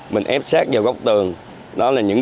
mình ép sát vào góc tường